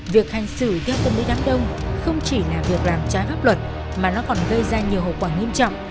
việc hành xử theo tâm lý đám đông không chỉ là việc làm trái pháp luật mà nó còn gây ra nhiều hậu quả nghiêm trọng